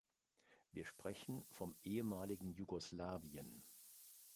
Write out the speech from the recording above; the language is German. Wir sprechen vom ehemaligen Jugoslawien.